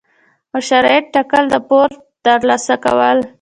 او شرایط ټاکل، د پور ترلاسه کول،